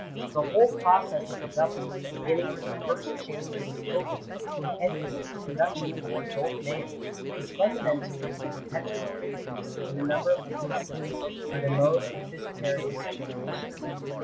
The whole process of development, beginning with the first change in the ovum, and ending with the production of an adult man, is funda mentally a perpetual increase in the number of these cells by the mode of fissiparous generation.